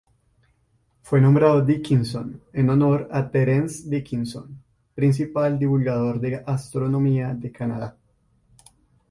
Fue nombrado Dickinson en honor a Terence Dickinson, principal divulgador de astronomía de Canadá.